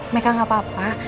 meka gak apa apa